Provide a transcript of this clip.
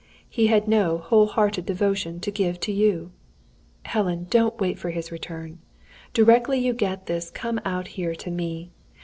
He had no whole hearted devotion to give to you. "Helen, don't wait for his return. Directly you get this come out here to me.